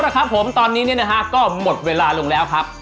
แล้วครับผมตอนนี้เนี่ยนะฮะก็หมดเวลาลงแล้วครับ